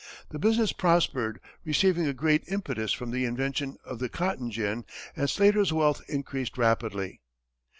The business prospered, receiving a great impetus from the invention of the cotton gin, and Slater's wealth increased rapidly.